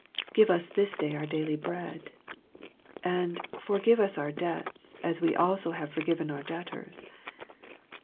Give us this day our daily bread. And Forgive us our debts, as we also have forgiven our debtors.